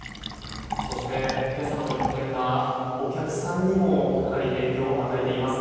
そして、今朝の一件はお客さんにもかなり影響を与えています。